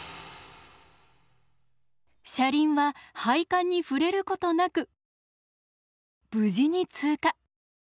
車輪は配管に触れることなく無事に通過。